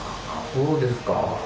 そうですか。